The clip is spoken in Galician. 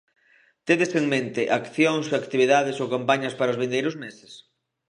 Tedes en mente accións, actividades ou campañas para os vindeiros meses?